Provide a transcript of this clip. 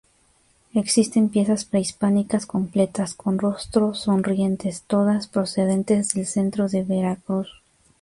Existen piezas prehispánicas completas con rostros sonrientes, todas procedentes del centro de Veracruz.